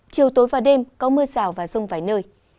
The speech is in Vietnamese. chiều tối và đêm có mưa rào và rông vài nơi